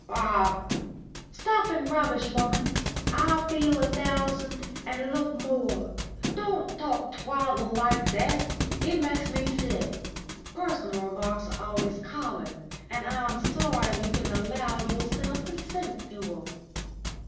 "Bah! Stuff and rubbish, woman! I feel a thousand and look more. Don't talk twaddle like that. It makes me sick. Personal remarks are always common, and I'm sorry you can allow yourself to sink to 'em."